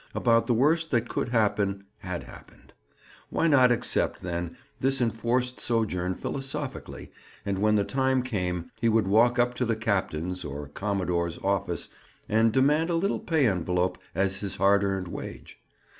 About the worst that could happen, had happened. Why not accept, then, this enforced sojourn philosophically and when the time came, he would walk up to the captain's (or commodore's) office and demand a little pay envelope as his hard earned wage?